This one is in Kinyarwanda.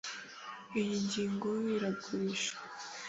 Iyi ngingo iragurishwa.